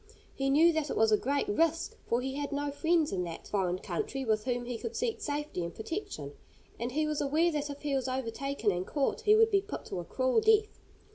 He knew that it was a great risk, for he had no friends in that foreign country with whom he could seek safety and protection; and he was aware that if he was overtaken and caught he would be put to a cruel death.